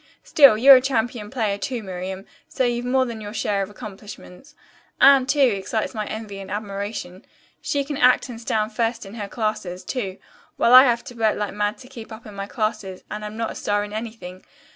Still, you're a champion player, too, Miriam, so you've more than your share of accomplishments. Anne, too, excites my envy and admiration. She can act and stand first in her classes, too, while I have to work like mad to keep up in my classes and am not a star in anything.